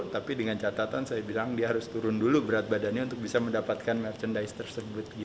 tapi dengan catatan saya bilang dia harus turun dulu berat badannya untuk bisa mendapatkan merchandise tersebut